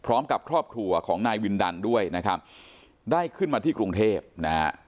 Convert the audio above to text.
พร้อมกับครอบครัวของนายวินดันด้วยนะครับได้ขึ้นมาที่กรุงเทพนะฮะ